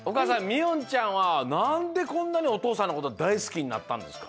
おんちゃんはなんでこんなにおとうさんのことだいすきになったんですか？